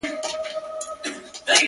زموږ کورونه زموږ ښارونه پکښي ړنګ سي.!